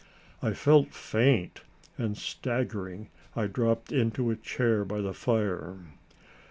I felt faint, and staggering, I dropped into a chair by the fire.